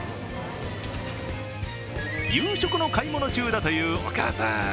夕食の買い物中だというお母さん。